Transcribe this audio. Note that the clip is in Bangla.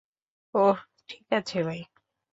ওহ, ঠিক আছে ভাই।